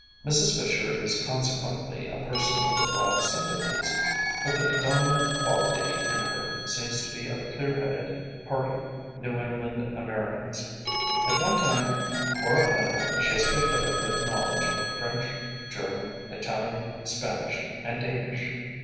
Mrs. Fisher is consequently a person of broad sympathies, but the predominant quality in her seems to be a clear headed, hearty New England Americanism. At one time or another she has picked up a good knowledge of French, German, Italian, Spanish and Danish.